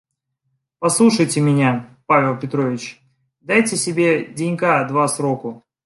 Послушайте меня, Павел Петрович, дайте себе денька два сроку.